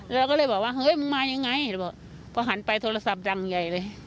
เราก็เลยบอกว่าเฮ้ยมึงมายังไงบอกพอหันไปโทรศัพท์ดังใหญ่เลย